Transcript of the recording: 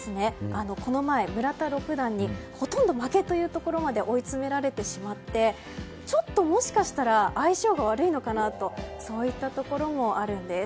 この前、村田六段にほとんど負けというところまで追い詰められてしまってちょっと、もしかしたら相性が悪いのかなとそういったところもあるんです。